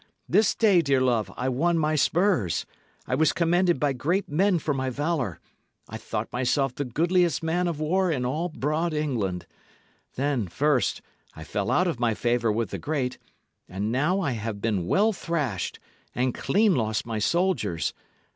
This day, dear love, I won my spurs; I was commended by great men for my valour; I thought myself the goodliest man of war in all broad England. Then, first, I fell out of my favour with the great; and now have I been well thrashed, and clean lost my soldiers.